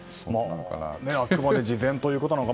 あくまで慈善ということなのか。